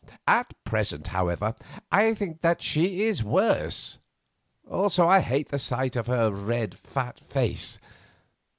At present, however, I think that she is worse; also I hate the sight of her fat red face.